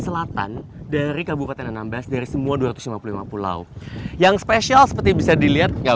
selatan dari kabupaten anambas dari semua dua ratus lima puluh lima pulau yang spesial seperti bisa dilihat nggak